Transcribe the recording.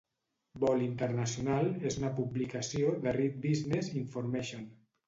"Vol internacional" és una publicació de Reed Business Information.